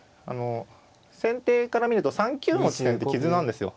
先手から見ると３九の地点って傷なんですよ。